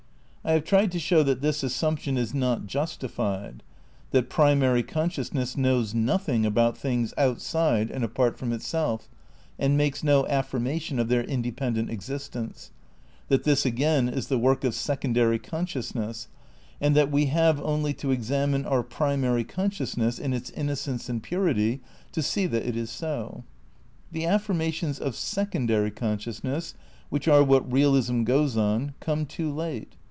I have tried to show that this assumption is not justified; that primary consciousness knows nothing about things outside and apart from itself and makes no affirmation of their independent existence ; that this again is the work of secondary consciousness, and that we have only to examine our primary consciousness in its innocence and purity to see that it is so. The affirmations of secondary consciousness (which are what realism goes on) come too late.